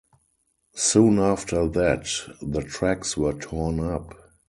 Soon after that the tracks were torn up.